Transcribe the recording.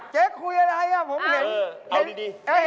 เจ๊คุยกับใครหว่าฮะพอไม่ถึง